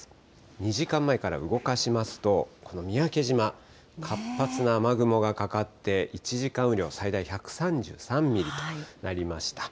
２時間前から動かしますと、この三宅島、活発な雨雲がかかって、１時間雨量、最大１３３ミリとなりました。